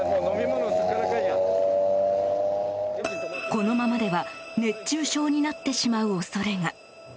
このままでは熱中症になってしまう恐れが。